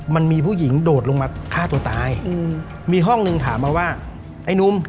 มันมีผู้หญิงโดดลงมาฆ่าตัวตายอืมมีห้องหนึ่งถามมาว่าไอ้หนุ่ม